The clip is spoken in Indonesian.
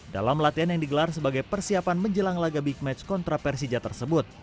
dalam latihan yang digelar sebagai persiapan menjelang laga big match kontra persija tersebut